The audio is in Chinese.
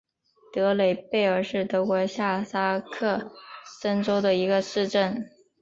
德雷贝尔是德国下萨克森州的一个市镇。